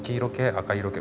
赤色系？